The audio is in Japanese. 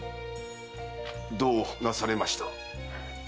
どうなされました。